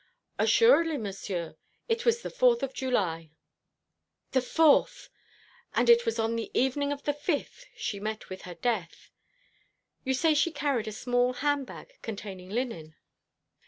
"Assuredly, Monsieur. It was on the 4th of July." "The 4th! And it was on the evening of the 5th she met with her death. You say she carried a small handbag containing linen."